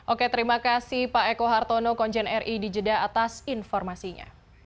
oke terima kasih pak eko hartono konjen ri di jeddah atas informasinya